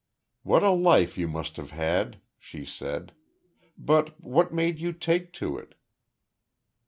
"What a life you must have had," she said. "But what made you take to it?"